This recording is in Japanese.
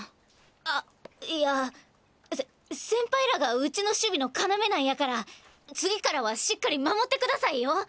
あっいやせっ先輩らがうちの守備の要なんやから次からはしっかり守って下さいよ！